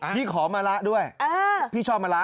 พี่ขอมะละด้วยพี่ชอบมะละ